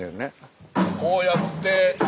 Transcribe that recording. こうやって。